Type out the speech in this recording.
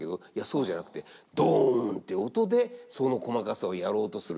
そうじゃなくってドンって音でその細かさをやろうとする。